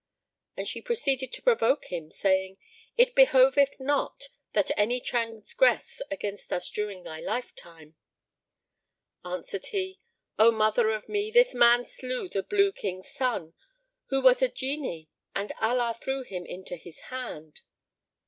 And she proceeded to provoke him, saying, "It behoveth not that any transgress against us during thy lifetime."[FN#1] Answered he, "O mother of me, this man slew the Blue King's son, who was a Jinni and Allah threw him into his hand.